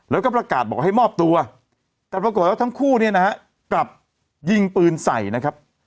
แล้วก็ประกาศบอกให้มอบตัวแต่ปรากฏว่าทั้งคู่เนี่ยนะฮะกลับยิงปืนใส่นะครับ